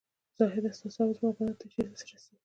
زاهـده سـتـا ثـواب زمـا ګـنـاه تـه چېرته رسـي